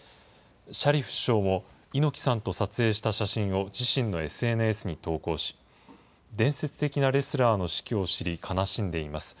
シャリフ首相も、猪木さんと撮影した写真を自身のＳＮＳに投稿し、伝説的なレスラーの死去を知り悲しんでいます。